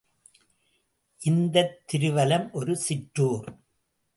இந்தத் திருவலம் ஒரு சிற்றூர்.